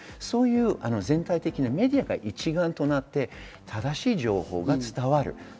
そういう全体的なメディアが一丸となって正しい情報が伝わる。